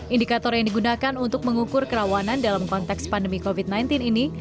indikator yang digunakan untuk mengukur kerawanan dalam konteks pandemi covid sembilan belas ini